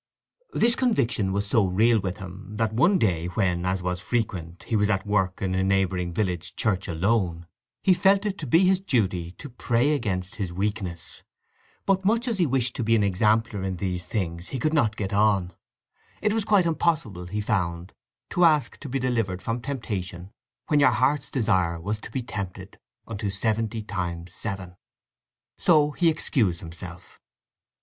This conviction was so real with him that one day when, as was frequent, he was at work in a neighbouring village church alone, he felt it to be his duty to pray against his weakness. But much as he wished to be an exemplar in these things he could not get on. It was quite impossible, he found, to ask to be delivered from temptation when your heart's desire was to be tempted unto seventy times seven. So he excused himself.